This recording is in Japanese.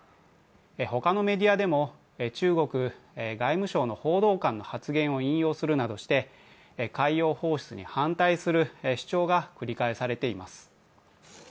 他のメディアでも中国外務省の報道官の発言を引用するなどして海洋放出に反対する主張が繰り返されています。